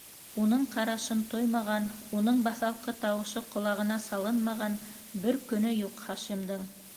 Уның ҡарашын тоймаған, уның баҫалҡы тауышы ҡолағына салынмаған бер көнө юҡ Хашимдың.